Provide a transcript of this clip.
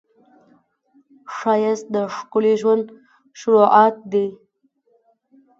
ښایست د ښکلي ژوند شروعات دی